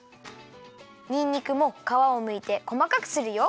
にんにくもかわをむいてこまかくするよ。